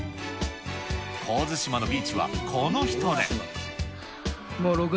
神津島のビーチはこの人出。